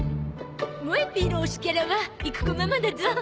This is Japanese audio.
『もえＰ』の推しキャラはイクコママだゾ。